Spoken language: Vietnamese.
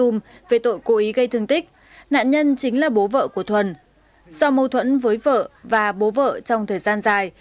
mâu thuẫn với vợ và bố vợ trong thời gian dài